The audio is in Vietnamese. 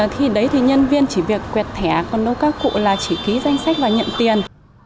khi đấy thì nhân viên chỉ việc quẹt thẻ còn nuôi các cụ là chỉ ký danh sách và nhận tiền